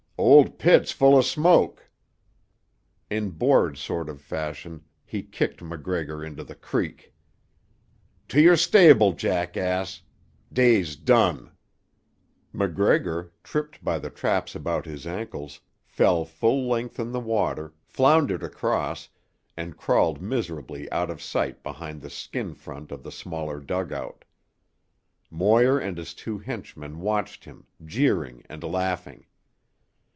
"Old pit's full o' smoke." In bored sort of fashion he kicked MacGregor into the creek. "To your stable, jackass. Day's done." MacGregor, tripped by the traps about his ankles, fell full length in the water, floundered across, and crawled miserably out of sight behind the skin front of the smaller dugout. Moir and his two henchmen watched him, jeering and laughing.